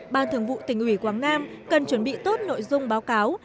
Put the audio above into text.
ban thường vụ tỉnh ủy quảng nam cần chuẩn bị tốt nội dung báo cáo